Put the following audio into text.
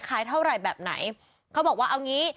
ขายเท่าไหร่แบบไหนเขาบอกว่าเอางี้